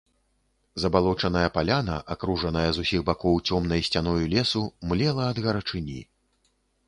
Забалочаная паляна, акружаная з усіх бакоў цёмнай сцяною лесу, млела ад гарачыні.